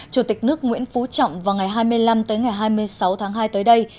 chủ tịch nước nguyễn phú trọng vào ngày hai mươi năm hai mươi sáu tháng hai tới đây